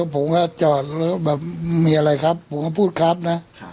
ผมก็จอดแล้วได้กลับไปฟังวิทยาห์